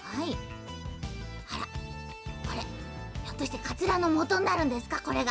あらこれひょっとしてかつらのもとになるんですか？